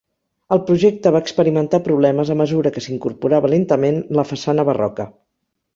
El projecte va experimentar problemes a mesura que s'incorporava lentament la façana barroca.